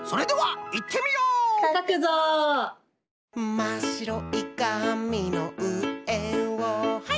「まっしろいかみのうえをハイ！」